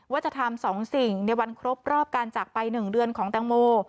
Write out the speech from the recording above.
ว่าจะทำ๒สิ่งในวันครบรอบการจากไป๑เดือนของแตงโม